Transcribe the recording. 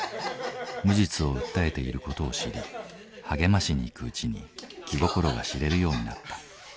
無実を訴えている事を知り励ましに行くうちに気心が知れるようになった。